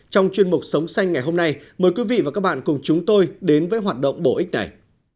trong chuyên mục sống xanh ngày hôm nay mời quý vị và các bạn cùng chúng tôi đến với hoạt động bổ ích này